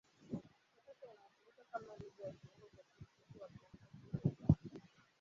Kwa sasa inatumika kama Lugha ya kiungo kwenye muziki wa Bongo Flava.